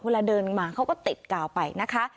เวลาเดินมาเขาก็ติดกาวไปนะคะ